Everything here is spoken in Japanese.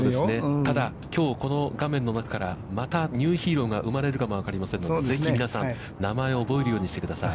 ただきょうこの画面の中から、またニューヒーローが生まれるかもわかりませんので、ぜひ皆さん、名前を覚えるようにしてください。